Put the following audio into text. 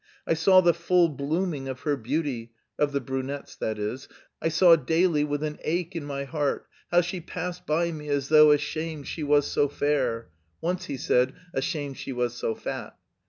"I saw the full blooming of her beauty" (of the brunette's, that is), "I saw daily with an ache in my heart how she passed by me as though ashamed she was so fair" (once he said "ashamed she was so fat").